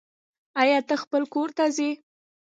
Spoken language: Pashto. آيا ته خپل کور ته ځي